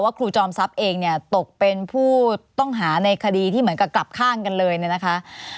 ครูจอมทรัพย์เองเนี่ยตกเป็นผู้ต้องหาในคดีที่เหมือนกับกลับข้างกันเลยเนี่ยนะคะ